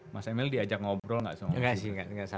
mas emil diajak ngobrol gak soal itu